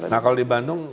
nah kalau di bandung